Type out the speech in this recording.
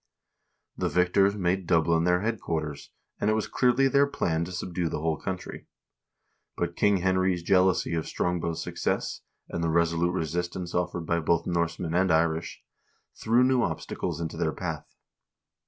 The victors made Dublin their headquarters, and it was clearly their plan to subdue the whole country; but King Henry's jealousy of Strongbow's success, and the resolute resistance offered by both Norsemen and Irish, threw new obstacles in their path.